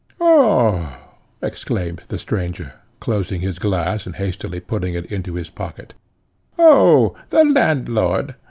"Oh!" exclaimed the stranger, closing his glass, and hastily putting it into his pocket, "Oh! the landlord.